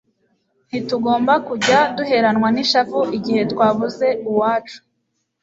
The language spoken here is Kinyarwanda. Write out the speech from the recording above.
ntitugomba kujya duheranwa n'ishavu igihe twabuze uwacu